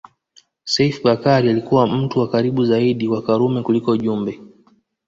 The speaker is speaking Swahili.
Seif Bakari alikuwa mtu wa karibu zaidi kwa Karume kuliko Jumbe